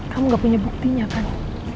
kamu gak punya buktinya kan